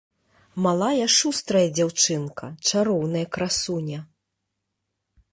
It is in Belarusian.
Малая шустрая дзяўчынка, чароўная красуня.